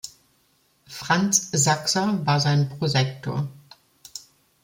Franz Saxer war sein Prosektor.